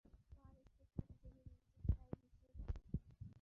তার স্ত্রী তার দেহের নিচে ছাই বিছিয়ে দিতেন।